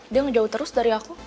dia ngejauh terus dari aku